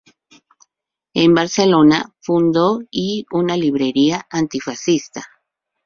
En Barcelona fundó y una librería antifascista.